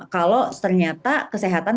kalau ternyata kesehatan